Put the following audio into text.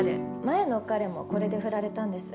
前の彼もこれで振られたんです。